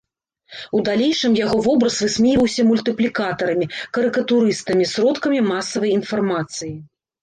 У далейшым яго вобраз высмейваўся мультыплікатарамі, карыкатурыстамі, сродкамі масавай інфармацыі.